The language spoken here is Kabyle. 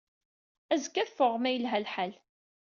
Azekka ad ffɣeɣ ma yelha lḥal.